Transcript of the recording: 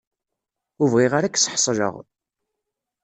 Ur bɣiɣ ara ad k-ssḥeṣleɣ.